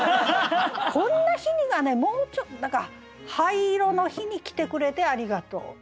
「こんな日に」がもうちょっと何か「灰色の日に来てくれてありがとう」。